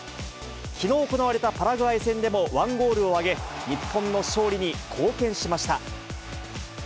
きのう行われたパラグアイ戦でも１ゴールを挙げ、日本の勝利に貢献しました。